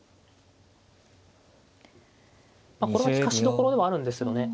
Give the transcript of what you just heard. これは利かしどころではあるんですけどね。